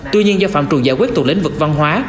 tuy nhiên do phạm trù giải quyết tù lĩnh vực văn hóa